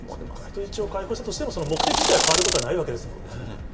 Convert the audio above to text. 人質を解放したとしても、その目的自体は変わることはないわけですもんね。